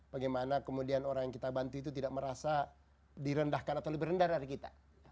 bagaimana kemudian orang yang kita bantu itu tidak merasa direndahkan atau lebih rendah dari kita